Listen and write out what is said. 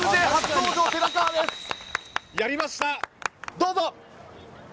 どうぞ！